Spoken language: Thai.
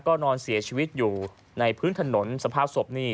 ก็นอนเสียชีวิตอยู่ในพื้นถนนสภาพศพนี่